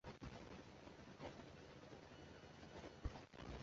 因格拉姆是位于美国加利福尼亚州门多西诺县的一个非建制地区。